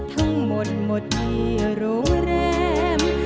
ทั้งหมดหมดที่โรงแรม